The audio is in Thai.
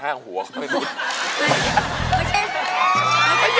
จากตัวเนี่ย